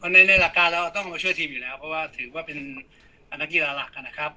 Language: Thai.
ในหลักการเราต้องมาช่วยทีมอยู่แล้วเพราะว่าถือว่าเป็นนักกีฬาหลักนะครับ